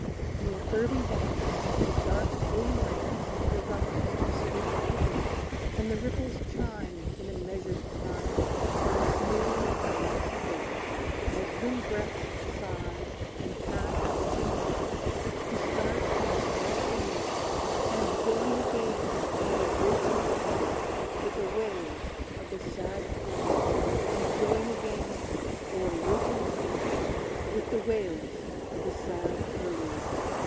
Near herby banks the dark green ranks Of the rushes stoop to drink; And the ripples chime, in a measured time, On the smooth and mossy brink; As wind breaths sigh, and pass, and die, To start from the swamps anew, And join again o'er ridge and plain With the wails of the sad Curlew! And join again O'er ridge and plain With the wails of the sad Curlew!